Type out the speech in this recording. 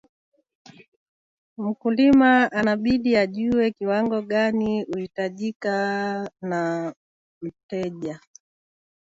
Mkulima anabidi ajue kiwango gani uhitajika na mteja